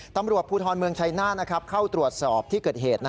ตำรวจภูทรเมืองชัยหน้าเข้าตรวจสอบที่เกิดเหตุ